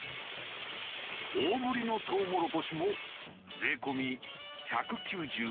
大ぶりのとうもろこしも税込み１９５円。